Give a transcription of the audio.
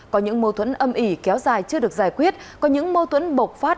có những mâu thuẫn âm ỉ kéo dài chưa được giải quyết có những mâu thuẫn bộc phát